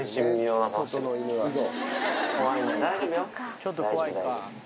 ちょっと怖いか。